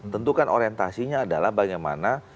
tentu kan orientasinya adalah bagaimana